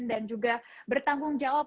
dan juga bertanggung jawab